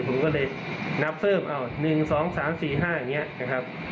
ผมก็เลยนับเพิ่ม๑๒๓๔๕อย่างนี้นะครับ